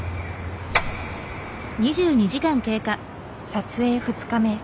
撮影２日目。